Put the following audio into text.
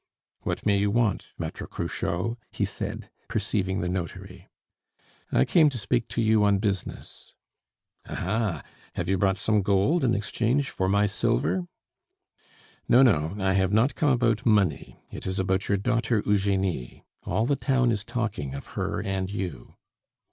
"What may you want, Maitre Cruchot?" he said, perceiving the notary. "I came to speak to you on business." "Ah! ah! have you brought some gold in exchange for my silver?" "No, no, I have not come about money; it is about your daughter Eugenie. All the town is talking of her and you."